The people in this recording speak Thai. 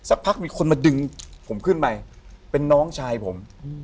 พักมีคนมาดึงผมขึ้นไปเป็นน้องชายผม